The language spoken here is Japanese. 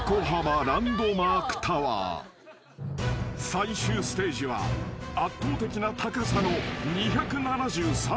［最終ステージは圧倒的な高さの］